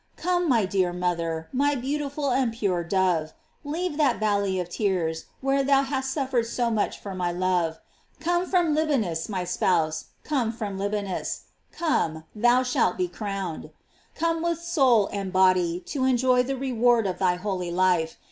"* Come, my dear mother, my beautiful and pure dove, leave that valley of tears where thou hast suffered so much for my love; come from Liba nus, my spouse, come from Libanus, come, thou shalt be crowned. f Come with soul and body, to enjoy the reward of thy holy life.